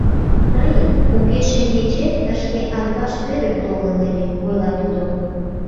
— Тыйын уке шеҥгечет тышке Атбаш Вӧдыр толын ыле, — ойла тудо.